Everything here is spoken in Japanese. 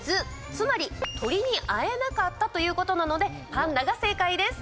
つまり、鳥に会えなかったということなのでパンダが正解です。